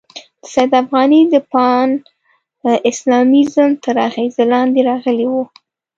د سید افغاني د پان اسلامیزم تر اغېزې لاندې راغلی وو.